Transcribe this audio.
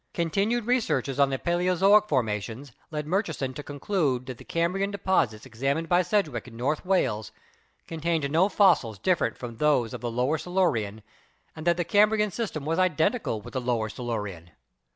Continued researches on the Paleozoic formations led Murchison to conclude that the Cambrian deposits examined by Sedg wick in North Wales contained no fossils different from those of the Lower Silurian and that the Cambrian system was identical with the Lower Silurian.